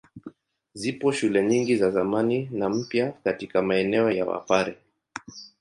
Zipo shule nyingi za zamani na mpya katika maeneo ya Wapare.